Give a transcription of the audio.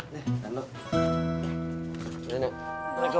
nih jangan lalu